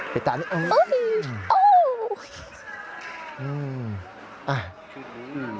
ปิดตานิดหนึ่ง